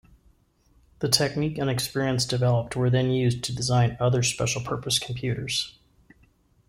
The technique and experience developed were then used to design other special-purpose computers.